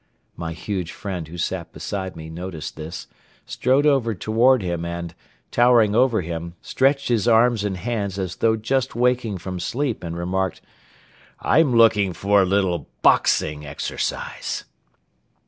My huge friend who sat beside me noticed this, strode over toward him and, towering over him, stretched his arms and hands as though just waking from sleep and remarked: "I'm looking for a little boxing exercise."